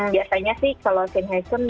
biasanya sih kalau sinehetsun